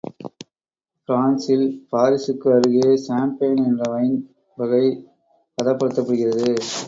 பிரான்சில் பாரிசுக்கு அருகே சாம்பெயின் என்ற வைன் வகை பதப்படுத்தப்படுகிறது.